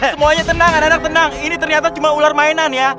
semuanya tenang anak anak tenang ini ternyata cuma ular mainan ya